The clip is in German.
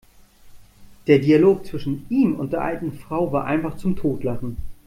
Der Dialog zwischen ihm und der alten Frau war einfach zum Totlachen!